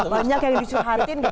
banyak kayak dicurhantin gitu ya